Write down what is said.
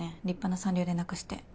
立派な三流でなくして。